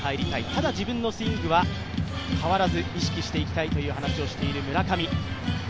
ただ自分のスイングは変わらず意識していきたいという話をしている村上。